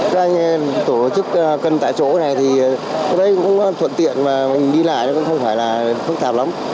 các anh tổ chức cân tại chỗ này thì tôi thấy cũng thuận tiện mà mình đi lại nó cũng không phải là phức tạp lắm